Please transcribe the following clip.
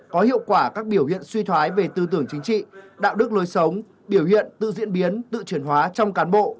có hiệu quả các biểu hiện suy thoái về tư tưởng chính trị đạo đức lối sống biểu hiện tự diễn biến tự chuyển hóa trong cán bộ